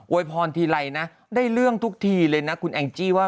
โวยพรทีไรนะได้เรื่องทุกทีเลยนะ